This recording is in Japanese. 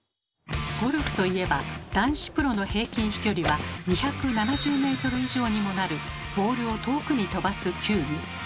ゴルフといえば男子プロの平均飛距離は２７０ｍ以上にもなるボールを遠くに飛ばす球技。